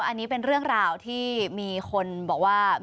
อันนี้เป็นเรื่องราวที่มีคนบอกว่า